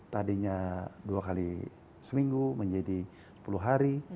tadinya dua kali seminggu menjadi sepuluh hari